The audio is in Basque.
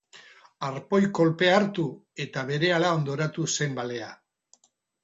Arpoi kolpea hartu eta berehala hondoratu zen balea.